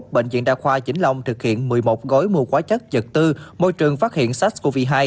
bệnh viện đa khoa vĩnh long thực hiện một mươi một gói mua hóa chất tư môi trường phát hiện sars cov hai